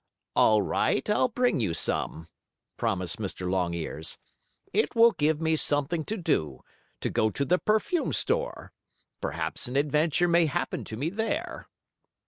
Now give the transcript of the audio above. "All right, I'll bring you some," promised Mr. Longears. "It will give me something to do to go to the perfume store. Perhaps an adventure may happen to me there."